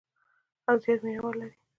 او زیات مینوال لري.